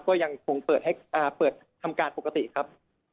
ก็ยังคงเปิดทำการปกติครับ